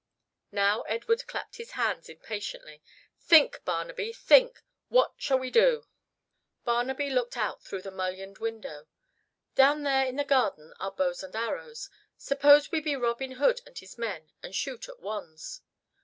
Now Edward clapped his hands impatiently. "Think, Barnaby, think. What shall we do?" Barnaby looked out through the mullioned window. "Down there in the garden are bows and arrows. Suppose we be Robin Hood and his men and shoot at wands?"